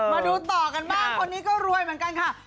มาดูต่อกันบ้างคนนี้ก็รวยเหมือนกันค่ะ